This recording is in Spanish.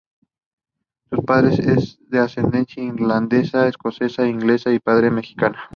Su padre es de ascendencia irlandesa, escocesa e inglesa y su madre es mexicana.